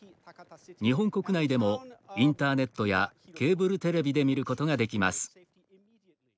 日本国内でも、インターネットやケーブルテレビで見ることができます。